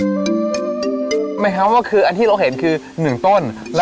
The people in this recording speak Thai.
หมายควรว่ามันคืออันที่เราเห็นคือหนึ่งต้นคุณครับ